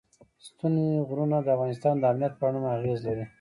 ستوني غرونه د افغانستان د امنیت په اړه هم اغېز لري.